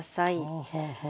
はあはあはあ。